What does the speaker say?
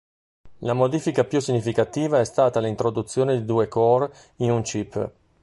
La modifica più significativa è stata l'introduzione di due core in un chip.